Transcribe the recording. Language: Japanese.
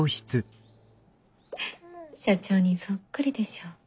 社長にそっくりでしょ。